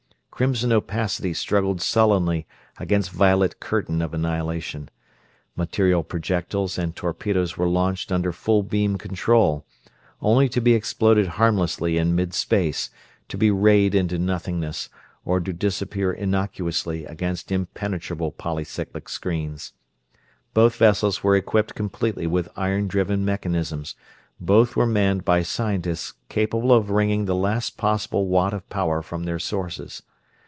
Crimson opacity struggled sullenly against violet curtain of annihilation. Material projectiles and torpedoes were launched under full beam control; only to be exploded harmlessly in mid space, to be rayed into nothingness, or to disappear innocuously against impenetrable polycyclic screens. Both vessels were equipped completely with iron driven mechanisms; both were manned by scientists capable of wringing the last possible watt of power from their sources.